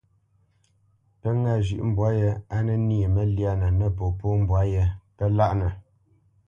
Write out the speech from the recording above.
Pə́ ŋâ zhʉ̌ʼ mbwǎ yé á nə nyê məlyánə nə popó mbwǎ yé, pə́ láʼnə.